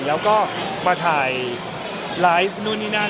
แล้วก็มาถ่ายไลฟ์นู่นนี่นั่น